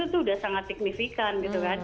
itu sudah sangat signifikan